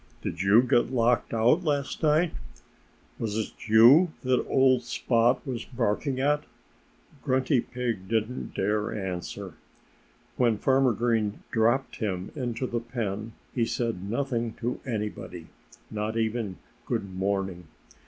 "Did you get locked out last night? Was it you that old Spot was barking at?" Grunty Pig didn't dare answer. When Farmer Green dropped him into the pen he said nothing to anybody not even "Good morning!"